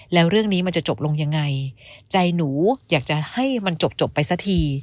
แล้วเรื่องนี้มันจะจบลงยังไงใจหนูอยากจะให้มันจบไปสักที